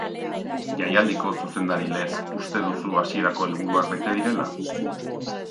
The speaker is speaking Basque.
Jaialdiko zuzendari lez uste duzu hasierako helburuak bete direla?